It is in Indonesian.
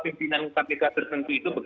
pimpinan kpk tertentu itu